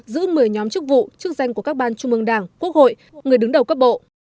giữ một mươi nhóm chức vụ chức danh của các ban trung mương đảng quốc hội người đứng đầu cấp bộ